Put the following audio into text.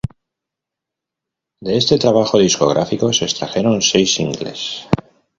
De este trabajo discográfico se extrajeron seis singles.